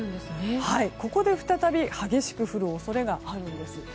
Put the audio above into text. ここで再び激しく降る恐れがあるんです。